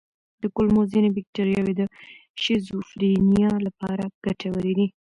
د کولمو ځینې بکتریاوې د شیزوفرینیا لپاره ګټورې دي.